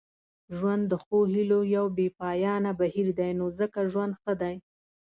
ژوند د ښو هیلو یو بې پایانه بهیر دی نو ځکه ژوند ښه دی.